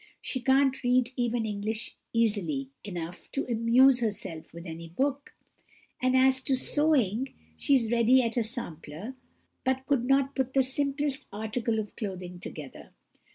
She can't read even English easily enough to amuse herself with any book; and as to sewing, she is ready at a sampler, but could not put the simplest article of clothing together.